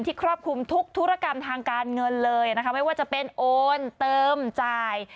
ครอบคลุมทุกธุรกรรมทางการเงินเลยนะคะไม่ว่าจะเป็นโอนเติมจ่าย